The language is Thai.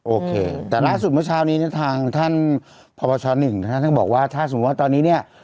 โอเคแต่ล่าสุดเมื่อเช้านี้เนี่ยทางท่านพบช๑นะฮะท่านบอกว่าถ้าสมมุติว่าตอนนี้เนี่ย